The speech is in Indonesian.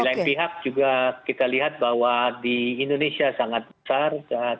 terus setiap kita lihat bahwa di indonesia sangat besar